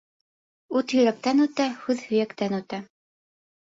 Уҡ йөрәктән үтә, һүҙ һөйәктән үтә.